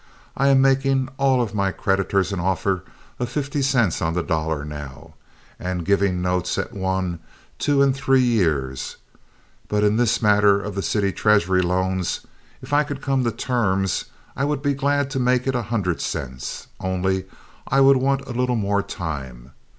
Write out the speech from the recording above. I am making all of my creditors an offer of fifty cents on the dollar now, and giving notes at one, two, and three years; but in this matter of the city treasury loans, if I could come to terms, I would be glad to make it a hundred cents—only I would want a little more time.